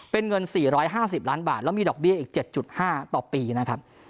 เป็นเงิน๔๕๐ล้านบาทแล้วมีดอกเบี้ยอีก๗๕ต่อปีนะครับ